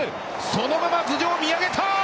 そのまま頭上、見上げた！